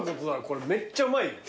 これめっちゃうまいよ。